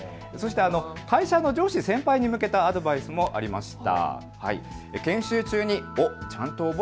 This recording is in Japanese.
会社の上司、先輩に向けたアドバイスもありました。